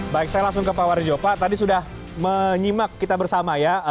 baik saya langsung ke pak warijo pak tadi sudah menyimak kita bersama ya